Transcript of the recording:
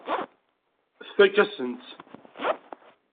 Tfakk-asent-tt.